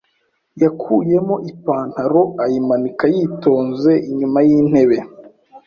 yakuyemo ipantaro ayimanika yitonze inyuma y'intebe.